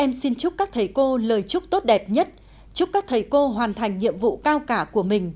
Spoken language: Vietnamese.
em xin chúc các thầy cô lời chúc tốt đẹp nhất chúc các thầy cô hoàn thành nhiệm vụ cao cả của mình